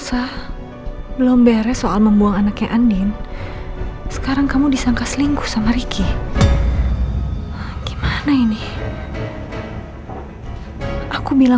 saya harus bantu randy nemuin cover majalah itu